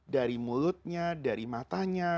dari mulutnya dari matanya